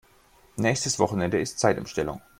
Nächstes Wochenende ist Zeitumstellung.